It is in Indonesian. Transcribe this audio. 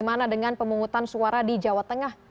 bagaimana dengan pemungutan suara di jawa tengah